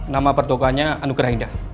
nama pertokohannya anugrah indah